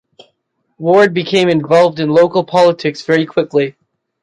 Ward became involved in local politics very quickly.